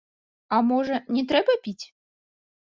А можа, не трэба піць?